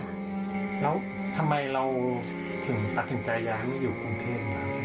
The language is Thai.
แล้วทำไมเราถึงตัดสินใจย้ายไม่อยู่กรุงเทพ